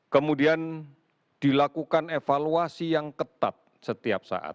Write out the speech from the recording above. kemudian dilakukan evaluasi yang ketat setiap saat